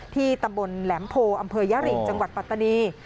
ที่ตำบลแหลมโพอำเภอยริงจังหวัดปัตตานี